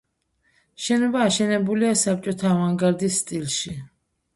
შენობა აშენებულია საბჭოთა ავანგარდის სტილში.